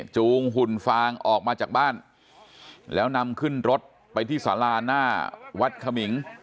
จูงหุ่นฟางออกมาจากบ้านแล้วนำขึ้นรถไปที่สาราหน้าวัดขมิง